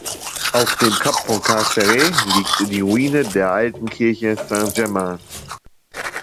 Auf dem Kap von Carteret liegt die Ruine der alten Kirche Saint-Germain.